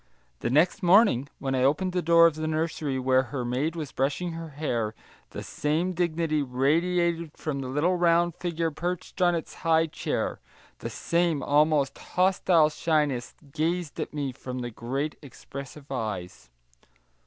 The next morning, when I opened the door of the nursery where her maid was brushing her hair, the same dignity radiated from the little round figure perched on its high chair, the same almost hostile shyness gazed at me from the great expressive eyes.